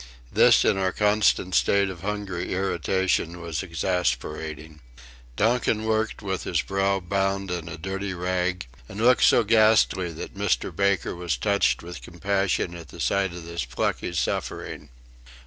This, in our constant state of hungry irritation, was exasperating. Donkin worked with his brow bound in a dirty rag, and looked so ghastly that Mr. Baker was touched with compassion at the sight of this plucky suffering.